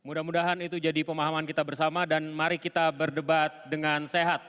mudah mudahan itu jadi pemahaman kita bersama dan mari kita berdebat dengan sehat